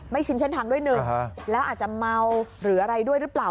ชินเส้นทางด้วยหนึ่งแล้วอาจจะเมาหรืออะไรด้วยหรือเปล่า